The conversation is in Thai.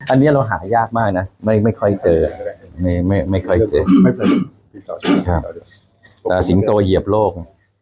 อันเนี้ยเราหายากมากน่ะไม่ไม่ค่อยเจอไม่ไม่ไม่ค่อยเจอแต่สิงโตเหยียบโลก